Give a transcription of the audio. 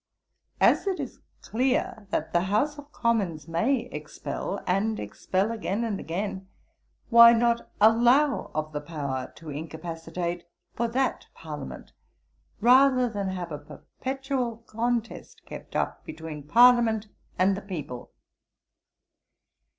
As it is clear that the House of Commons may expel, and expel again and again, why not allow of the power to incapacitate for that parliament, rather than have a perpetual contest kept up between parliament and the people.'